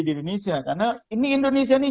di indonesia karena ini indonesia ini